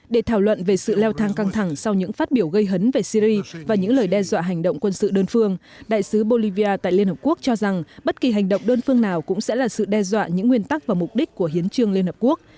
để thảo luận về sự leo thang căng thẳng sau những phát biểu gây hấn về syri và những lời đe dọa hành động quân sự đơn phương đại sứ bolivia tại liên hợp quốc cho rằng bất kỳ hành động đơn phương nào cũng sẽ là sự đe dọa những nguyên tắc và mục đích của hiến trương liên hợp quốc